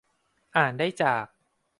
อ่านได้จาก